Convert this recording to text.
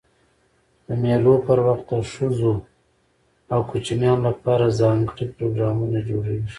د مېلو پر وخت د ښځو او کوچنيانو له پاره ځانګړي پروګرامونه جوړېږي.